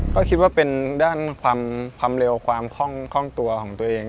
ก็คิดว่าเป็นด้านความเร็วความคล่องตัวของตัวเอง